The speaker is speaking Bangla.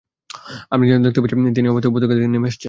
আমি যেন দেখতে পাচ্ছি তিনি এ অবস্থায় উপত্যকার দিকে নেমে আসছেন।